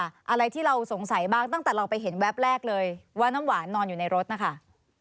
อะไรที่เราสงสัยบ้างตั้งแต่เราไปเห็นแวบแรกเลยว่าน้ำหวานนอนอยู่ในรถนะคะ